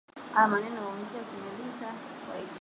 njia za kupika matembele